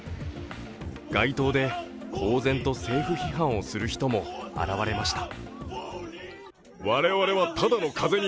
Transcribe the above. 街頭で公然と政府批判をする人も現れました。